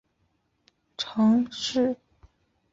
卡勃罗是位于美国北卡罗来纳州奥兰治县的一座小城市。